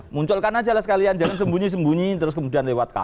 munculkan aja lah sekalian jangan sembunyi sembunyi terus kemudian lewat kami